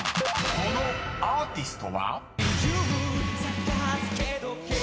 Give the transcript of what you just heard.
［このアーティスト］